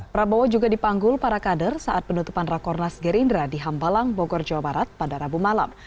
prabowo juga dipanggul para kader saat penutupan rakornas gerindra di hambalang bogor jawa barat pada rabu malam